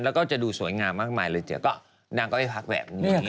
แล้วก็จะดูสวยงามมากมายเลยเดี๋ยวก็นางก็ไปพักแบบนี้